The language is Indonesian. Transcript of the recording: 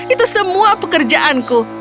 itu semua pekerjaanku